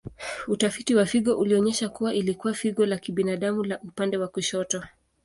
Utafiti wa figo ulionyesha kuwa ilikuwa figo la kibinadamu la upande wa kushoto.